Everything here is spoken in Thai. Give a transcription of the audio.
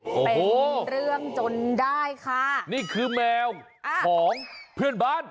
เป็นเรื่องจนได้ค่ะนี่คือแมวของเพื่อนบ้าน